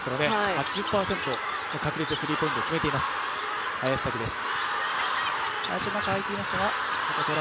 ８０％の確率でスリーポイントを決めています、林咲希です。